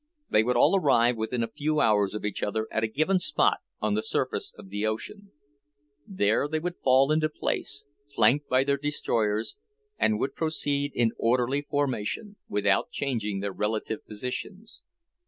They would all arrive within a few hours of each other at a given spot on the surface of the ocean. There they would fall into place, flanked by their destroyers, and would proceed in orderly formation, without changing their relative positions.